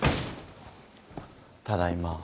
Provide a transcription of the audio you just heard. ただいま。